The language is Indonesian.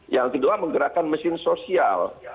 yang kedua menggerakkan mesin sosial